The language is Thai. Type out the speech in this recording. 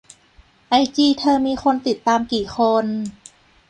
ไอจีเธอมีคนติดตามกี่คน